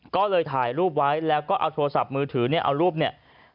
ก็เลยถ่ายรูปไว้แล้วก็เอาโทรศัพท์มือถือเนี่ยเอารูปเนี่ย